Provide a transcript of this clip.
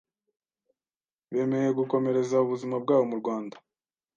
bemeye gukomereza ubuzima bwawo mu Rwanda